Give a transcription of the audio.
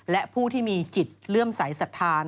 และผู้ที่มีจิตเลื่อมสายศรัทธา